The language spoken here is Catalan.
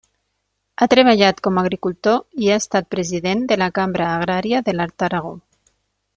Ha treballat com agricultor i ha estat president de la Cambra Agrària de l'Alt Aragó.